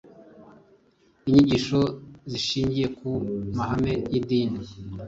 Inyigisho zishingiye ku mahame y’idini